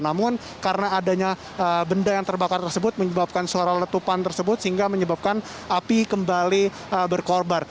namun karena adanya benda yang terbakar tersebut menyebabkan suara letupan tersebut sehingga menyebabkan api kembali berkorbar